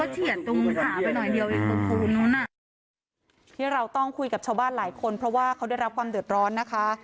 ที่เราต้องคุยกับชาวบ้านหลายคนเพราะว่าเขาได้รับความเดือดร้อนนะคะ